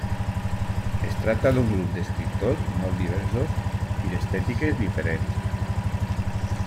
Es tracta d'un grup d'escriptors molt diversos i d'estètiques diferents.